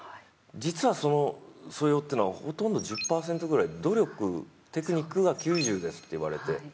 実は素養っていうのは１０％ぐらいで努力、テクニックが９０ですって言われて。